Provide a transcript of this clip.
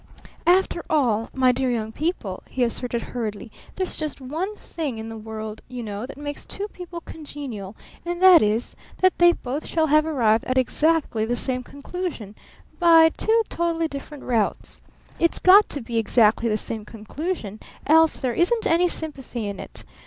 "After all, my dear young people," he asserted hurriedly, "there's just one thing in the world, you know, that makes two people congenial, and that is that they both shall have arrived at exactly the same conclusion by two totally different routes. It's got to be exactly the same conclusion, else there isn't any sympathy in it.